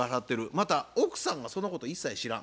また奥さんがそのことを一切知らん。